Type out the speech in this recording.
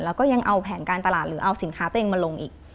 แล้วก็ยังเอาแผนการตลาดหรือเอาสินค้าตัวเองมาลงอีก